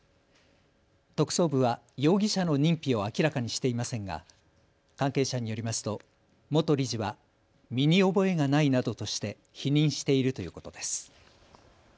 特捜部は容疑者の認否を明らかにしていませんが関係者によりますと元理事は身に覚えがないなどとして否認しているということです。